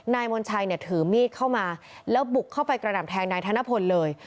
มณชัยเนี่ยถือมีดเข้ามาแล้วบุกเข้าไปกระหน่ำแทงนายธนพลเลย